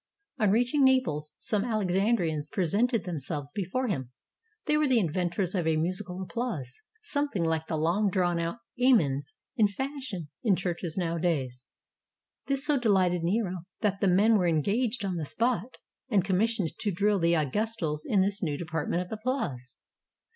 On reaching Naples, some Alexandrians presented themselves before him; they were the inventors of a musical applause, something like the long drawn out '' Amens" in fashion in churches nowadays. This so de lighted Nero that the men were engaged on the spot, and commissioned to drill the Augustals in this new depart ment of applause.